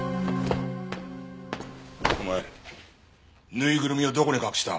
お前ぬいぐるみをどこに隠した？